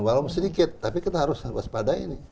walau sedikit tapi kita harus waspada ini